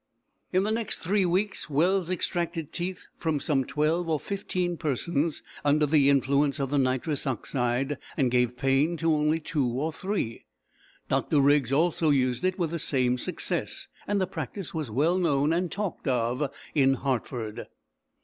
In the next three weeks Wells extracted teeth from some twelve or fifteen persons under the influence of the nitrous oxide, and gave pain to only two or three. Dr. Riggs, also, used it with the same success, and the practice was well known and talked of in Hartford.